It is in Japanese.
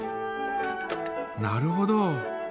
なるほど。